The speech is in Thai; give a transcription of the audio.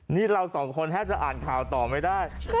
นี่เราสองคนแทบจะอ่านข่าวต่อไม่ได้